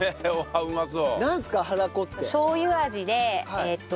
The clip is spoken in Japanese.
うまそう！